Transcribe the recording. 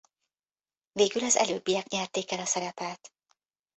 Végül az előbbiek nyerték el a szerepet.